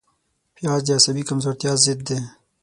پیاز د عصبي کمزورتیا ضد دی